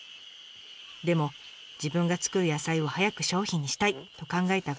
でも自分が作る野菜を早く商品にしたい！と考えた孝一郎さん。